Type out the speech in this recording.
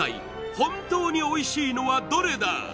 本当においしいのはどれだ？